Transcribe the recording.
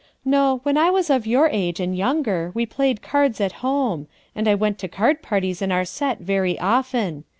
i "No, when I was of your age, and younger, we played cards at home ; and I went to card parties in our set very often